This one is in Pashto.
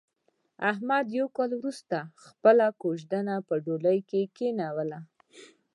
احمد یو کال ورسته خپله کوزدنه په ډولۍ کې کېنوله.